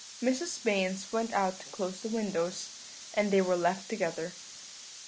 "Mrs. Baynes went out to close the windows, and they were left together.